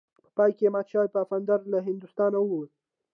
په پای کې مات شوی پفاندر له هندوستانه ووت.